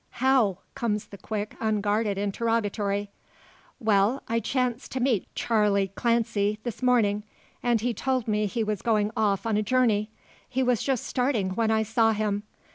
"How?" comes the quick, unguarded interrogatory. "Well; I chanced to meet Charley Clancy this morning, and he told me he was going off on a journey. He was just starting when I saw him.